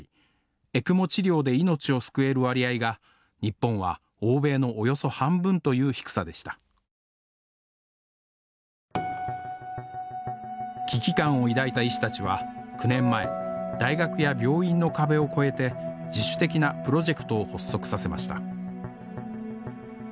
ＥＣＭＯ治療で命を救える割合が日本は欧米のおよそ半分という低さでした危機感を抱いた医師たちは９年前大学や病院の壁を越えて自主的なプロジェクトを発足させました